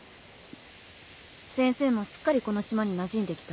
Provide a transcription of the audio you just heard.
先生もすっかりこの島になじんできたわね。